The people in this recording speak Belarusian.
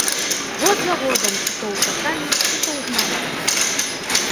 Год за годам ці то ў чаканні, ці то ў змаганні.